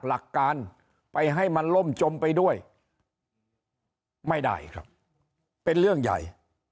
หลักการไปให้มันล่มจมไปด้วยไม่ได้ครับเป็นเรื่องใหญ่